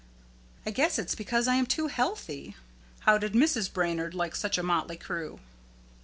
I guess it's because I am too healthy." "How did Mrs. Brainard like such a motley crew?"